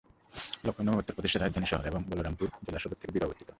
লখনউ উত্তরপ্রদেশের রাজধানী শহর এবং বলরামপুর জেলা সদর থেকে দূরে অবস্থিত।